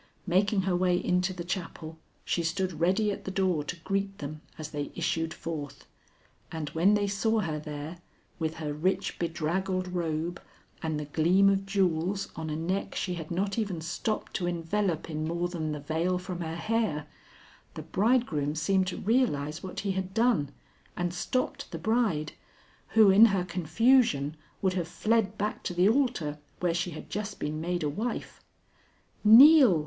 Making her way into the chapel, she stood ready at the door to greet them as they issued forth, and when they saw her there, with her rich bedraggled robe and the gleam of jewels on a neck she had not even stopped to envelop in more than the veil from her hair, the bridegroom seemed to realize what he had done and stopped the bride, who in her confusion would have fled back to the altar where she had just been made a wife. 'Kneel!'